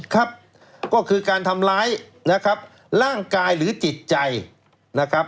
ก็คือการทำร้ายร่างกายหรือจิตใจนะครับ